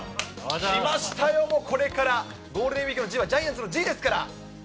きましたよ、もうこれからゴールデンウィークのＧはジャイアンツのＧですから。